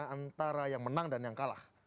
antara yang menang dan yang kalah